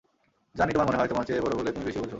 জানি তোমার মনে হয়, আমার চেয়ে বড়ো বলে তুমি বেশি বোঝো।